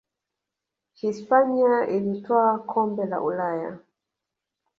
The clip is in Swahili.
hispania ilitwaa kombe la ulaya